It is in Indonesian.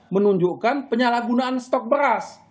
menunjukkan penyalahgunaan stok beras